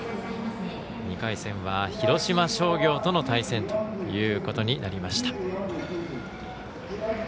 ２回戦は広島商業との対戦ということになりました。